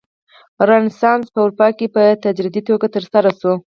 رنسانس په اروپا کې په تدریجي توګه ترسره شو.